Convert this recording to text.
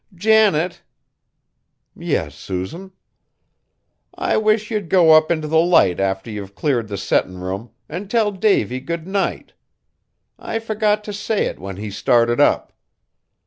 Janet!" "Yes, Susan." "I wish you'd go up int' the Light after you've cleared the settin' room, an' tell Davy good night! I forgot t' say it when he started up.